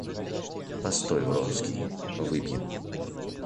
Постой, Вронский, выпьем.